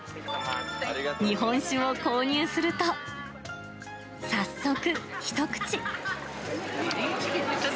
日本酒を購入すると、早速、一口。